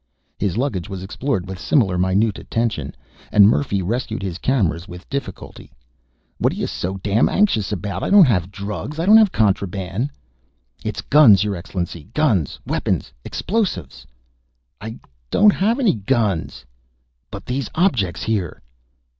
His luggage was explored with similar minute attention, and Murphy rescued his cameras with difficulty. "What're you so damn anxious about? I don't have drugs; I don't have contraband ..." "It's guns, your excellency. Guns, weapons, explosives ..." "I don't have any guns." "But these objects here?"